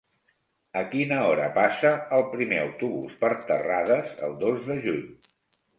A quina hora passa el primer autobús per Terrades el dos de juny?